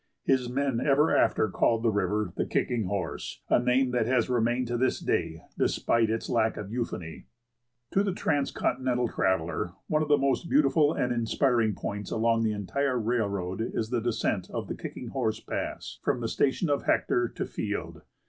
His men ever after called the river the Kicking Horse, a name that has remained to this day despite its lack of euphony. [Illustration: FALLS OF LEANCHOIL.] To the transcontinental traveller, one of the most beautiful and inspiring points along the entire railroad is the descent of the Kicking Horse Pass from the station of Hector to Field.